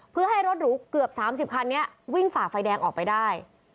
เพื่อให้รถหรูเกือบ๓๐คันนี้วิ่งฝ่าไฟแดงออกไปได้